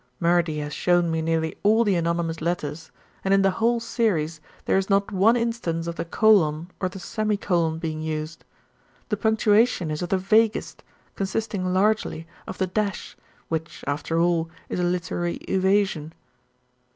Murdy has shown me nearly all the anonymous letters, and in the whole series there is not one instance of the colon or the semicolon being used. The punctuation is of the vaguest, consisting largely of the dash, which after all is a literary evasion.